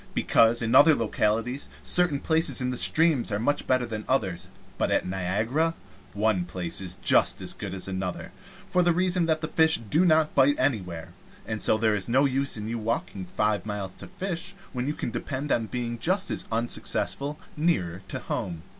Because, in other localities, certain places in the streams are much better than others; but at Niagara one place is just as good as another, for the reason that the fish do not bite anywhere, and so there is no use in your walking five miles to fish, when you can depend on being just as unsuccessful nearer home.